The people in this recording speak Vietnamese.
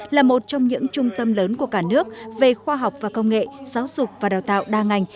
là một trong những trung tâm lớn của cả nước về khoa học và công nghệ giáo dục và đào tạo đa ngành